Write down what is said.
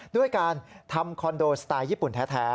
ด้วยการทำคอนโดสไตล์ญี่ปุ่นแท้